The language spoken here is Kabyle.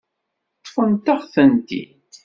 Ṭṭfent-aɣ-tent-id.